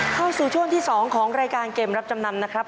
เข้าสู่ช่วงที่๒ของรายการเกมรับจำนำนะครับ